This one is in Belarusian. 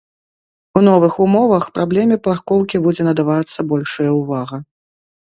У новых умовах праблеме паркоўкі будзе надавацца большая ўвага.